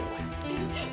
udah bulan sono